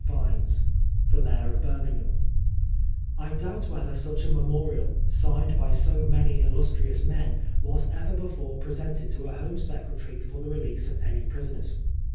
Vines The Mayor of Birmingham I doubt whether such a memorial, signed by so many illnstrious men, was ever before presented to a Home Secretary for the release of any prisoners.